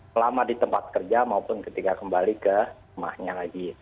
selama di tempat kerja maupun ketika kembali ke rumahnya lagi